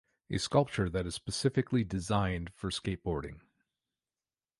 A sculpture that is specifically designed for skateboarding.